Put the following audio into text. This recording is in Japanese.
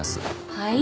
はい？